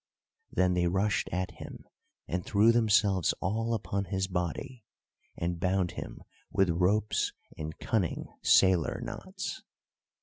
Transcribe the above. Then they rushed at him, and threw themselves all upon his body, and bound him with ropes in cunning sailor knots.